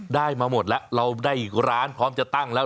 ได้มาหมดแล้วเราได้อีกร้านพร้อมจะตั้งแล้ว